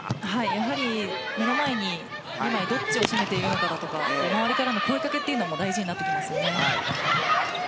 やはり、目の前に２枚どっちを締めているのかとか周りからの声かけも大事になりますね。